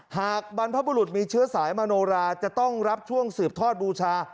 บรรพบุรุษมีเชื้อสายมโนราจะต้องรับช่วงสืบทอดบูชา